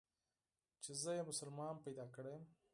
چې زه يې مسلمان پيدا کړى يم.